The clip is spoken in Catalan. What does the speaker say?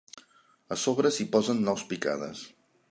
A sobre s'hi posen nous picades.